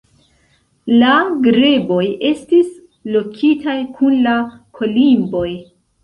La greboj estis lokitaj kun la kolimboj.